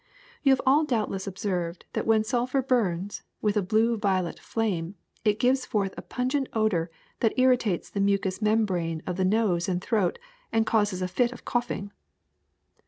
"You have all doubtless observed that when sulphur burns, with a blue violet flame, it gives forth a pungent odor that irritates the mucous mem brane of the nose and throat and causes a fit of coughing.